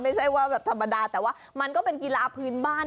ไม่ใช่ว่าแบบธรรมดาแต่ว่ามันก็เป็นกีฬาพื้นบ้าน